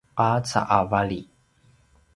qaca a vali